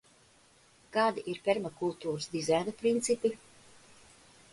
Kādi ir permakultūras dizaina principi?